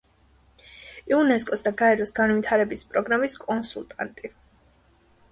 იუნესკოს და გაეროს განვითარების პროგრამის კონსულტანტი.